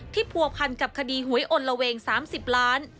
ผัวพันกับคดีหวยอลละเวง๓๐ล้าน